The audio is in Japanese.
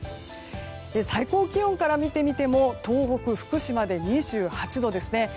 最高気温から見てみても東北の福島で２８度ですね。